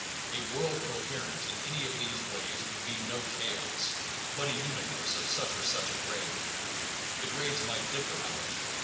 A world coherent in any of these ways would be no chaos, but a* universe of such or such a grade. (The grades might differ, however.